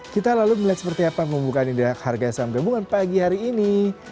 kita lalu melihat seperti apa pembukaan indeks harga saham gabungan pagi hari ini